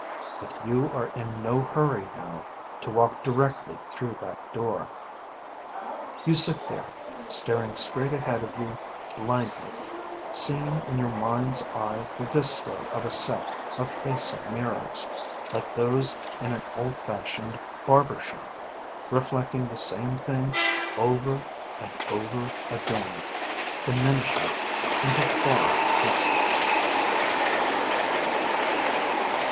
But you are in no hurry now to walk directly through that door. You sit there, staring straight ahead of you blindly, seeing in your mind's eye the vista of a set of facing mirrors, like those in an old fashioned barber shop, reflecting the same thing over and over again, diminishing into far distance.